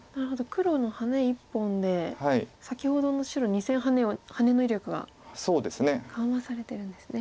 黒のハネ１本で先ほどの白２線ハネの威力が緩和されてるんですね。